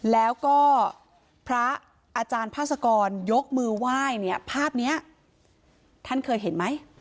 แล้วก็พระอาจารย์พาสกรยกมือไหว้เนี่ยภาพนี้ท่านเคยเห็นไหม